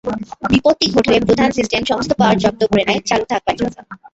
বিপত্তি ঘটলে প্রধান সিস্টেম সমস্ত পাওয়ার জব্দ করে নেয় চালু থাকবার জন্যে।